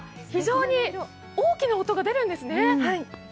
非常に大きな音が出るんですね。